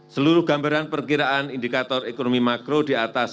seluruh gambaran perkiraan indikator ekonomi makro di atas